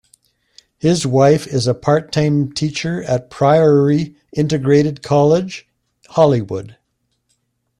His wife is a part-time teacher at Priory Integrated College, Holywood.